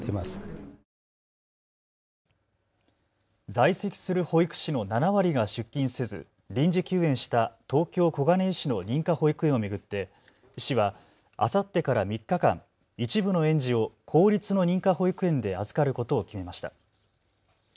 在籍する保育士の７割が出勤せず臨時休園した東京小金井市の認可保育園を巡って市はあさってから３日間、一部の園児を公立の認可保育園で預かることを決めました。